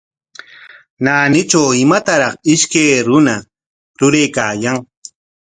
Naanitraw imataraq ishkay runa ruraykaayan.